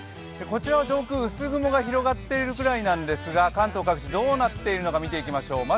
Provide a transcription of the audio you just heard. こちらは上空、薄雲が広がっているぐらいなんですが関東各地どうなっているのか見ていきましょう。